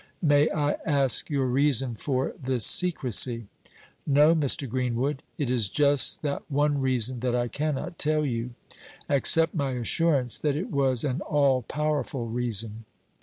"May I ask your reason for this secrecy?" "No, Mr. Greenwood; it is just that one reason that I cannot tell you. Accept my assurance that it was an all powerful reason."